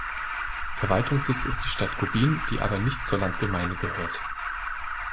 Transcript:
Verwaltungssitz ist die Stadt Gubin, die aber nicht zur Landgemeinde gehört.